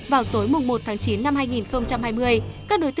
vào tối một tháng chín năm hai nghìn hai mươi